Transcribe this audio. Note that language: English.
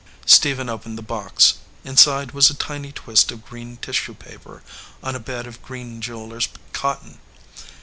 Stephen opened the box. Inside was a tiny twist of green tissue paper on a bed of green jeweler s cotton.